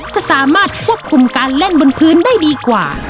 จะสามารถควบคุมการเล่นบนพื้นได้ดีกว่า